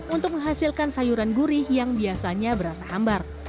untuk menghasilkan sayuran gurih yang biasanya berasa hambar